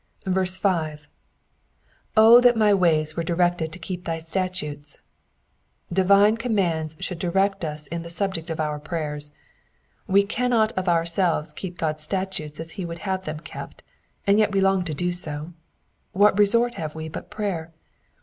6. 0 that my ways v>ere directed to keep thy statutes P'^ Divine commands should direct us in the subject of our prayers. We cannot of ourselves keep Ood^s statutes as he would have them kept, and yet we long to do so : what resort have we but prayer